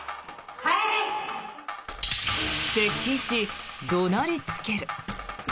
接近し、怒鳴りつける。